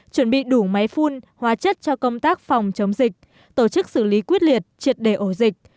chuẩn bị đủ máy phun hóa chất cho công tác phòng chống dịch tổ chức xử lý quyết liệt triệt đề ổ dịch